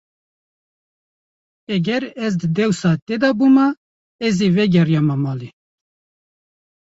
Eger ez di dewsa te de bûma, ez ê vegeriyama malê.